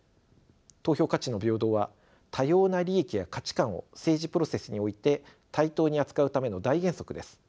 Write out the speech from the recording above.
投票価値の平等は多様な利益や価値観を政治プロセスにおいて対等に扱うための大原則です。